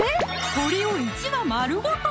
鶏を１羽丸ごと？